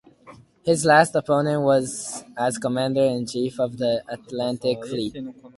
His last appointment was as Commander-in-Chief of the Atlantic Fleet.